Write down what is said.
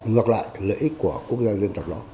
ngược lại lợi ích của quốc gia dân tộc đó